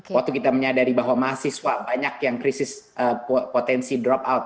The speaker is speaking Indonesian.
waktu kita menyadari bahwa mahasiswa banyak yang krisis potensi drop out